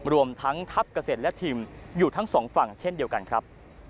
รวมทั้งทัพเกษตรและทีมอยู่ทั้งสองฝั่งเช่นเดียวกันครับ